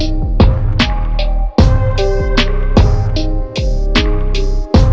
ini jangan main main sama gue